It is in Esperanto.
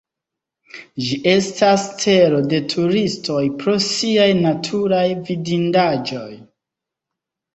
Ĝi estas celo de turistoj pro siaj naturaj vidindaĵoj.